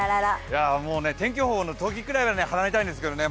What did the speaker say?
もうね、天気予報のときくらいは離れたいんですけどね